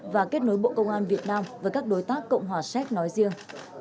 và kết nối bộ công an việt nam với các đối tác cộng hòa séc nói riêng